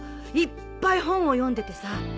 いっぱい本を読んでてさ。